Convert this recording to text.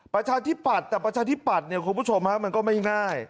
ประชาธิปัตย์แต่ประชาธิปัตย์เนี่ยคุณผู้ชมมันก็ไม่ง่าย